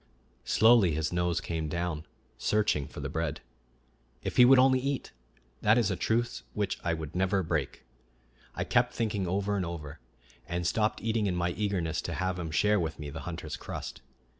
Slowly his nose came down, searching for the bread. "If he would only eat! that is a truce which I would never break," I kept thinking over and over, and stopped eating in my eagerness to have him share with me the hunter's crust.